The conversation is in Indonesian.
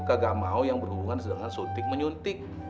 kagak mau yang berhubungan dengan suting menyuntik